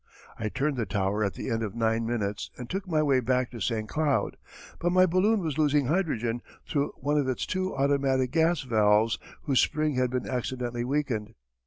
I turned the tower at the end of nine minutes and took my way back to St. Cloud; but my balloon was losing hydrogen through one of its two automatic gas valves whose spring had been accidentally weakened.